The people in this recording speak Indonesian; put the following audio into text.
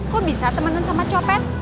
kok bisa temenan sama copen